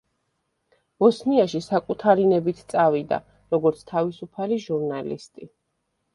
ბოსნიაში საკუთარი ნებით წავიდა, როგორც თავისუფალი ჟურნალისტი.